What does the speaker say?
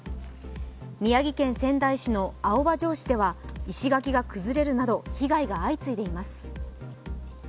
宮城県仙台市の青葉城址では石垣が崩れるなど被害が相次いでいます。